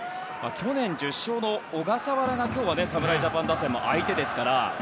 去年１０勝の小笠原が今日は侍ジャパン打線の相手ですから。